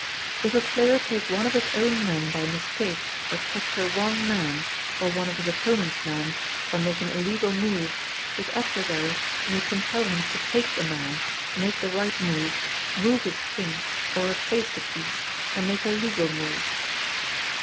If a player take one of his own men by mistake, or touch a wrong man, or one of his opponent's men, or make an illegal move, his adversary may compel him to take the man, make the right move, move his King, or replace the piece, and make a legal move.